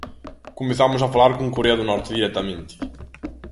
Comezamos a falar con Corea do Norte directamente.